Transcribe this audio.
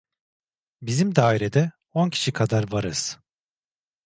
Bizim dairede on kişi kadar varız…